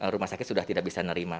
rumah sakit sudah tidak bisa nerima